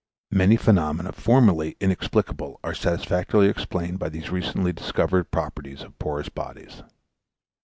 Many phenomena, formerly inexplicable, are satisfactorily explained by these recently discovered properties of porous bodies.